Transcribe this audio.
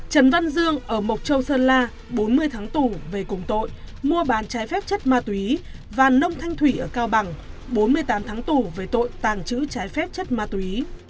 trần văn dương ở mộc châu sơn la bốn mươi tháng tù về cùng tội mua bán trái phép chất ma túy và nông thanh thủy ở cao bằng bốn mươi tám tháng tù về tội tàng trữ trái phép chất ma túy